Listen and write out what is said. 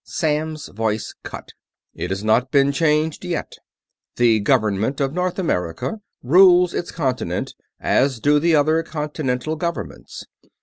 Samms' voice cut. "It has not been changed yet. The Government of North America rules its continent, as do the other Continental Governments.